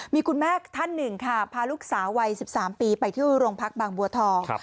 มีคุณแม่ท่านหนึ่งค่ะพาลูกสาววัย๑๓ปีไปที่โรงพักบางบัวทอง